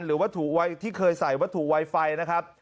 หรือวัตถุไวไฟที่เคยใส่วัตถุไวไฟนะครับ